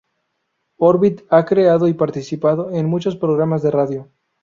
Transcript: Orbit ha creado y participado en muchos programas de radio.